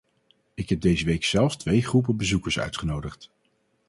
Ik heb deze week zelf twee groepen bezoekers uitgenodigd.